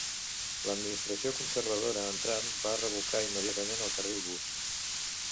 L'administració conservadora entrant va revocar immediatament el carril bus.